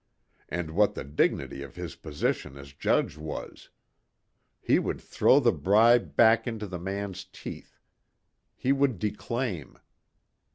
And what the dignity of his position as judge was. He would throw the bribe back into the man's teeth. He would declaim.